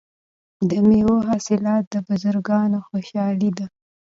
د میوو حاصلات د بزګرانو خوشحالي ده.